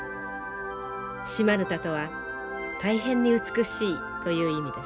シ・マヌタとは「大変に美しい」という意味です。